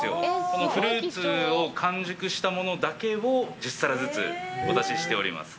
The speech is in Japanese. このフルーツを完熟したものだけを１０皿ずつお出ししております。